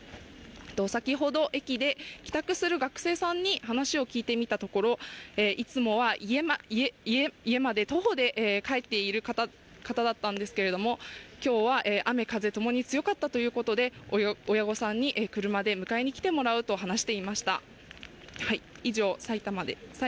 先ほど、駅で帰宅する学生さんに話を聞いてみたところいつもは家まで徒歩で帰っている方だったんですけれども、今日は雨風ともに強かったということで親御さんに車で迎えにきてもらうと話していました。